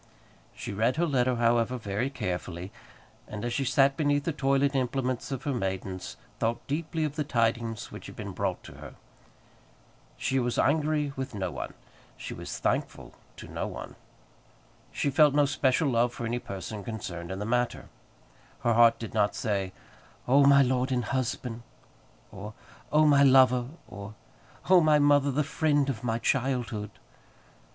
She read her letter, however, very carefully, and as she sat beneath the toilet implements of her maidens thought deeply of the tidings which had been brought to her. She was angry with no one; she was thankful to no one. She felt no special love for any person concerned in the matter. Her heart did not say, "Oh, my lord and husband!" or, "Oh, my lover!" or, "Oh, my mother, the friend of my childhood!"